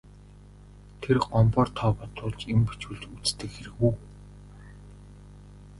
Тэр Гомбоор тоо бодуулж, юм бичүүлж үздэг хэрэг үү.